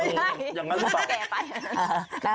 อย่างนั้นหรือเปล่า